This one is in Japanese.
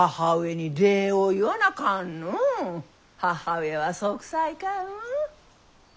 母上は息災かうん？